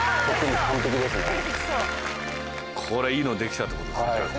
これいいのできたってことですね今年は。